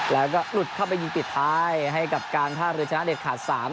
แล้วก็หลุดเข้าไปยิงปิดท้ายให้กับการท่าเรือชนะเด็ดขาด๓